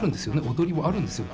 踊りもあるんですよね。